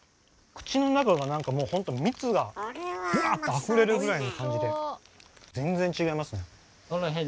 口の中が何かもうほんと蜜がぶわっとあふれるぐらいの感じで全然ちがいますね。